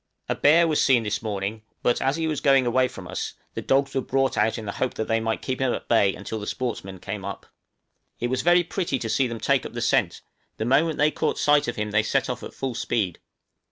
_ A bear was seen this morning; but as he was going away from us, the dogs were brought out in the hope that they might keep him at bay until the sportsmen came up. It was very pretty to see them take up the scent, the moment they caught sight of him they set off at full speed.